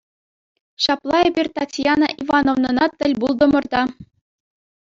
Ҫапла эпир Татьяна Ивановнӑна тӗл пултӑмӑр та.